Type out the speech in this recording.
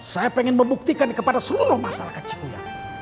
saya ingin membuktikan kepada seluruh masyarakat cikuya